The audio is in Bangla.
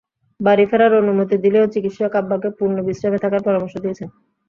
বাড়ি ফেরার অনুমতি দিলেও চিকিৎসক আব্বাকে পূর্ণ বিশ্রামে থাকার পরামর্শ দিয়েছেন।